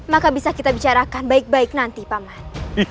maka bisa kita bicarakan baik baik nanti paman